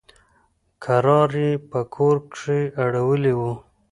کرار يې په کور کښې اړولي وو.